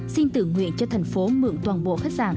xin tự nguyện cho thành phố mượn toàn bộ khách sạn